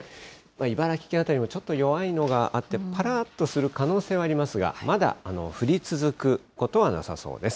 茨城県辺りもちょっと弱いのがあって、ぱらっとする可能性はありますが、まだ、降り続くことはなさそうです。